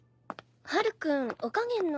ハル君お加減の。